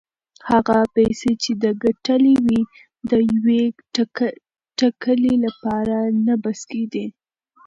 هغه پیسې چې ده ګټلې وې د یوې ټکلې لپاره نه بس کېدې.